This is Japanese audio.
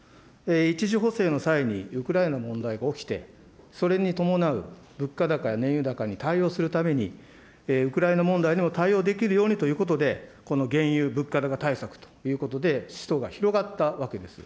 １次補正の際に、ウクライナの問題が起きて、それに伴う物価高や燃油高に対応するために、ウクライナ問題にも対応できるようにということで、この原油・物価高対策ということで、使途が広がったわけであります。